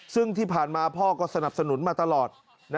ซึ่งที่ผ่านมาพ่อก็สนับสนุนมาตลอด